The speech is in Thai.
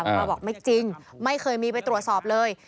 พ่อบอกไม่จริงไม่เคยมีไปตรวจสอบเลย